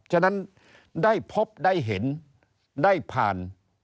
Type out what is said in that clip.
ฉะนั้นได้พบได้เห็นได้ผ่าน